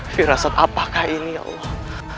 firasat apakah ini allah